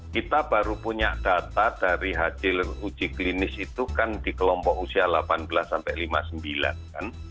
kita baru punya data dari hasil uji klinis itu kan di kelompok usia delapan belas sampai lima puluh sembilan kan